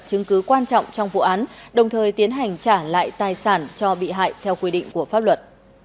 chứng cứ quan trọng trong vụ án đồng thời tiến hành trả lại tài sản cho bị hại theo quy định của pháp luật